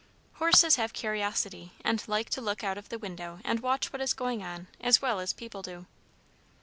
Horses have curiosity, and like to look out of the window and watch what is going on as well as people do.